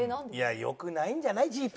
いや良くないんじゃない？